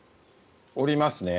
おりますね。